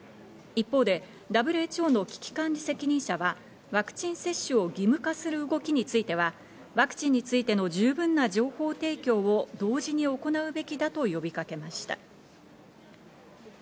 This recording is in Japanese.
一方でＷＨＯの危機管理責任者は、ワクチン接種を義務化する動きについては、ワクチンについての十分な情報提供を同時に行うべきだと呼びかけました。